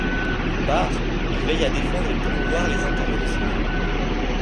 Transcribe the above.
D’une part, il veille à défendre et promouvoir les intérêts de ses membres.